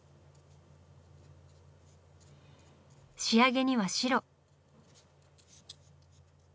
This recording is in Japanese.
仕上げには白。